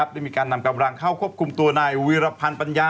ได้มีการนำกำลังเข้าควบคุมตัวนายวีรพันธ์ปัญญา